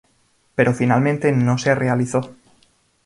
Pero finalmente no se realizó.